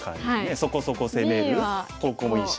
そこそこ攻める方向もいいし。